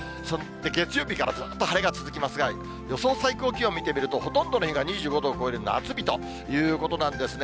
月曜日からずっと晴れが続きますが、予想最高気温見てみると、ほとんどの日が２５度を超える夏日ということなんですね。